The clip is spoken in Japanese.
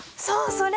それ。